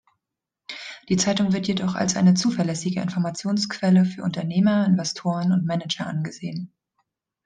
Die Zeitung wird jedoch als eine zuverlässige Informationsquelle für Unternehmer, Investoren und Manager angesehen.